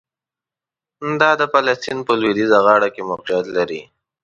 دا د فلسطین په لویدیځه غاړه کې موقعیت لري.